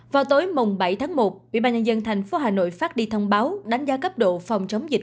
vào tối bảy tháng một bộ y tế phát đi thông báo đánh giá cấp độ phòng chống dịch